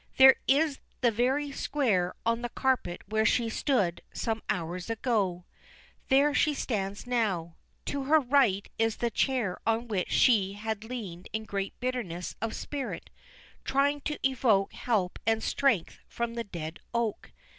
There is the very square on the carpet where she stood some hours ago. There she stands now. To her right is the chair on which she had leaned in great bitterness of spirit, trying to evoke help and strength from the dead oak.